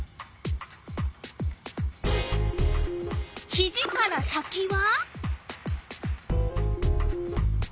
ひじから先は？